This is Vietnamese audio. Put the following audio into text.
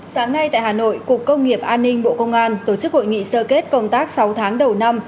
sáng nay tại hà nội cục công nghiệp an ninh bộ công an tổ chức hội nghị sơ kết công tác sáu tháng đầu năm